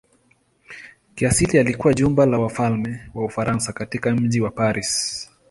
Kiasili ilikuwa jumba la wafalme wa Ufaransa katika mji wa Paris.